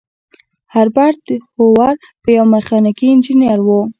هربرت هوور یو میخانیکي انجینر و.